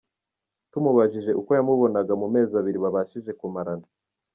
Tumubajije uko yamubonaga mu mezi abiri babashije kumarana.